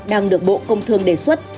đang được bộ công thương đề xuất